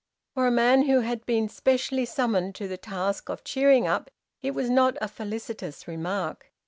For a man who had been specially summoned to the task of cheering up, it was not a felicitous remark.